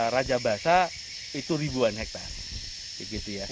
rajabasa itu ribuan hektare